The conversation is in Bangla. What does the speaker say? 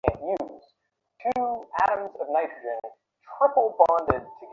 প্রমদাবাবুর বাগান সম্বন্ধে কাশী হইতে স্থির করিয়া লিখিব।